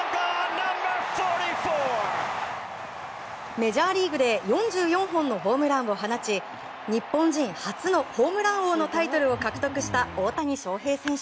メジャーリーグで４４本のホームランを放ち日本人初のホームラン王のタイトルを獲得した大谷翔平。